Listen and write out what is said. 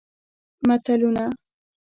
متلونه